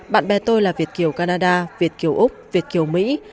bạn bè tôi là việt kiều canada việt kiều úc việt kiều mỹ